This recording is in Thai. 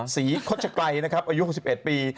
ศรีคชไกรนะครับอายุ๖๑ปี